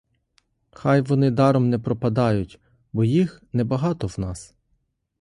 Хай вони даром не пропадають, бо їх небагато в нас.